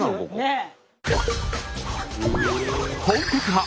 ねえ。